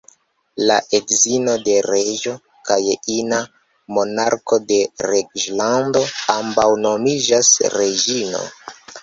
La edzino de reĝo, kaj ina monarko de reĝlando, ambaŭ nomiĝas "reĝino".